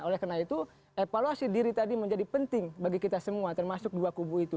oleh karena itu evaluasi diri tadi menjadi penting bagi kita semua termasuk dua kubu itu